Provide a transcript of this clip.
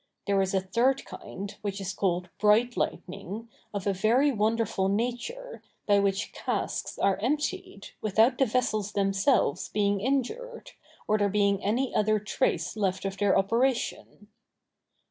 There is a third kind, which is called bright lightning, of a very wonderful nature, by which casks are emptied, without the vessels themselves being injured, or there being any other trace left of their operation.